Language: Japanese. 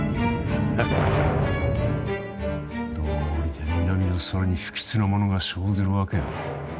どうりで南の空に不吉なものが生ずるわけよ。